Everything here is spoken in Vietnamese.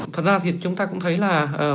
thật ra thì chúng ta cũng thấy là